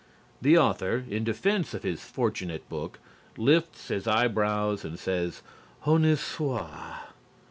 The author, in defense of his fortunate book, lifts his eyebrows and says, "Honi soit."